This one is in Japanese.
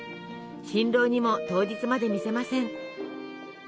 新郎にも当日まで見せません。